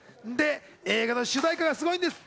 映画の主題歌がすごいんです。